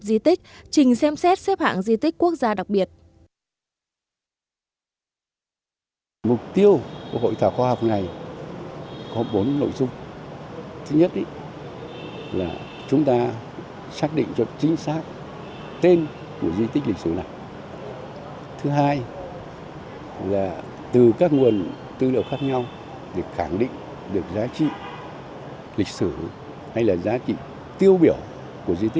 hội thảo khoa học di tích trình xem xét xếp hạng di tích quốc gia đặc biệt